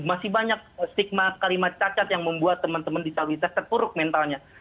masih banyak stigma kalimat cacat yang membuat teman teman disabilitas terpuruk mentalnya